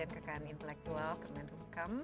kekan intelektual kemenukam